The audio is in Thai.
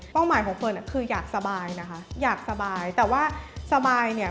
หมายของเฟิร์นคืออยากสบายนะคะอยากสบายแต่ว่าสบายเนี่ย